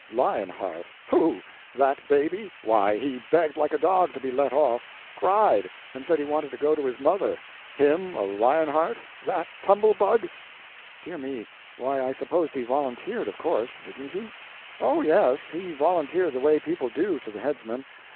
"Lion heart! Who—that baby? Why, he begged like a dog to be let off. Cried, and said he wanted to go to his mother. Him a lion heart!—that tumble bug!" "Dear me, why I supposed he volunteered, of course. Didn't he?" "Oh, yes, he volunteered the way people do to the headsman.